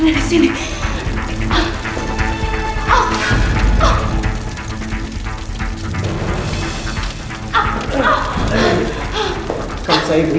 tugas laki laki itu